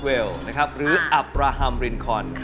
ควินดีลูซเวลหรืออัปราฮัมลินคอน